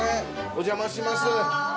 お邪魔します